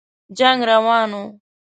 جنګ روان وو.